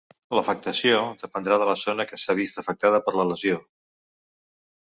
L'afectació dependrà de la zona que s'ha vist afectada per la lesió.